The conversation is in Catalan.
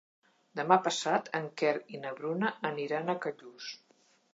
Demà passat en Quer i na Bruna aniran a Callús.